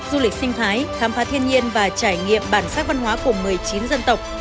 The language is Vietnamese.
du lịch sinh thái khám phá thiên nhiên và trải nghiệm bản sắc văn hóa của một mươi chín dân tộc